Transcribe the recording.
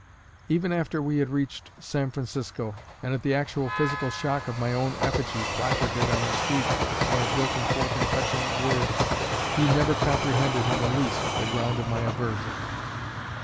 Even after we had reached San Francisco, and at the actual physical shock of my own effigy placarded on the streets I had broken forth in petulant words, he never comprehended in the least the ground of my aversion.